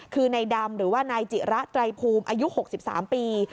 คือนายดำหรือว่านายจิระไตรภูมิอายุ๖๓ปี